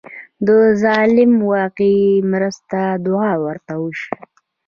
د ظالم واقعي مرسته دعا ورته وشي.